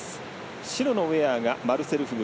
白のウエアがマルセル・フグ